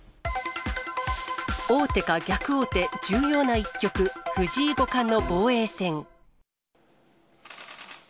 王手か逆王手、重要な１局、藤井五冠の防衛戦。